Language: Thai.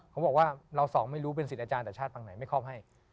เขาบอกว่าเราสองไม่รู้เป็นสิทธิอาจารย์แต่ชาติฝั่งไหนไม่ครอบให้